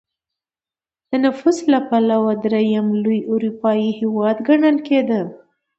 د نفوس له پلوه درېیم لوی اروپايي هېواد ګڼل کېده.